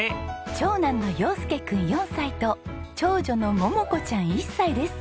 長男の陽佑君４歳と長女の桃子ちゃん１歳です。